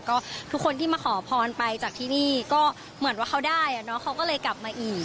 ก็ทุกคนที่มาขอพรไปจากที่นี่ก็เหมือนว่าเขาได้เขาก็เลยกลับมาอีก